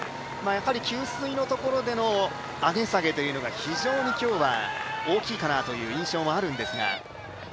やはり給水のところでの上げ下げというのが非常に今日、大きいかなという印象はあるんですが。